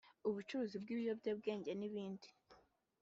ubucuruzi bw’ ibiyobyabwenge n’ ibindi